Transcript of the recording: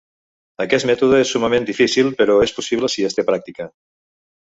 Aquest mètode és summament difícil, però és possible si es té pràctica.